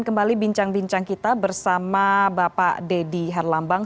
kembali bincang bincang kita bersama bapak deddy herlambang